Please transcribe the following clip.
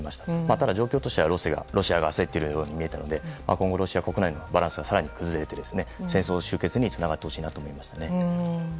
ただ状況としてはロシアが焦っているのが見えるので今後、ロシア国内のバランスが更に崩れて、戦争終結につながってほしいなと思います。